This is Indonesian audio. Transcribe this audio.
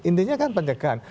intinya kan pencegahan